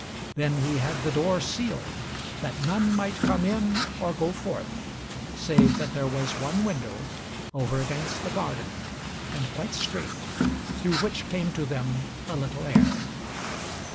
Then he had the door sealed, that none might come in or go forth, save that there was one window, over against the garden, and quite strait, through which came to them a little air.